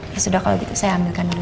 ya sudah kalau gitu saya ambilkan dulu